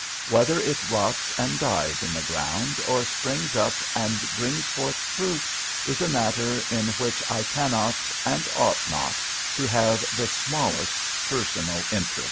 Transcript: Whether it rots and dies in the ground, or springs up and brings forth fruit, is a matter in which I cannot, and ought not, to have the smallest personal interest.